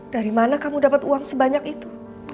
dari mana kamu dapat uang sebanyak itu